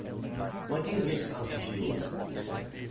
"My dear Miss Altifiorla," he said.